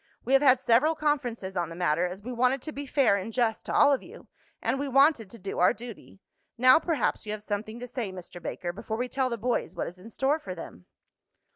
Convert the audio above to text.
We have had several conferences on the matter, as we wanted to be fair and just to all of you, and we wanted to do our duty. Now perhaps you have something to say, Mr. Baker, before we tell the boys what is in store for them."